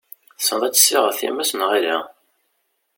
Tessneḍ ad tessiɣeḍ times neɣ ala?